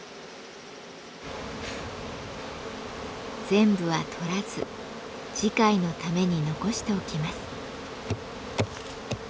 全部は採らず次回のために残しておきます。